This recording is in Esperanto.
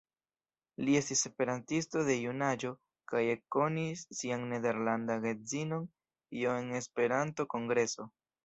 Li estis esperantisto de junaĝo kaj ekkonis sian nederlandan edzinon Jo en Esperanto-kongreso.